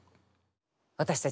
私たち。